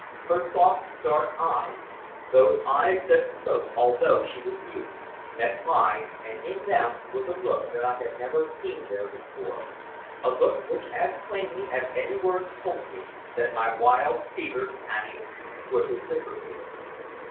Her soft, dark eyes those eyes that spoke although she was mute met mine, and in them was a look that I had never seen there before a look which as plainly as any words told me that my wild fevered passion was reciprocated.